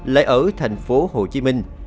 lại ở thành phố hồ chí minh